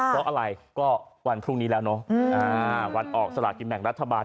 เพราะอะไรก็วันพรุ่งนี้แล้วเนอะวันออกสลากินแบ่งรัฐบาล